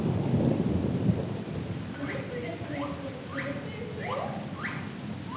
くるくるくるくるくるくるくる。